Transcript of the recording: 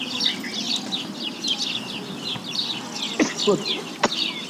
তাঁদের বিজিবির সদস্যরা বাধা দিলে তাঁরা মিয়ানমারে ফেরত যেতে বাধ্য হন।